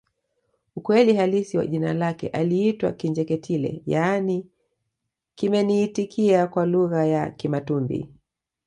Ukweli halisi wa jina lake aliitwa Kinjeketile yaani kimeniitikia kwa lugha ya Kimatumbi